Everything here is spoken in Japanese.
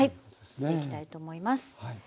はい入れていきたいと思います。